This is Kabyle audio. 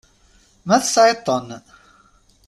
Ma tesɛiḍ-ten.